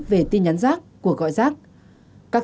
về tin nhắn giác của gọi giác